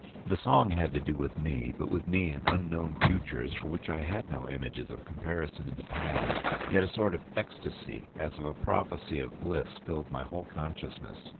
The song had to do with me, but with me in unknown futures for which I had no images of comparison in the past; yet a sort of ecstasy as of a prophecy of bliss filled my whole consciousness.